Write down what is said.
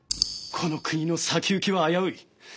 この国の先行きは危うい。